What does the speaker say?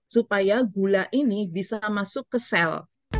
supaya gula ini bisa masuk ke sel